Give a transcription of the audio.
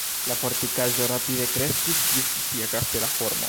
La fortikaĵo rapide kreskis ĝis sia kastela formo.